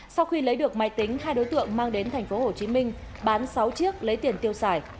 sau khi lấy được máy tính hai đối tượng mang đến thành phố hồ chí minh bán sáu chiếc lấy tiền tiêu xài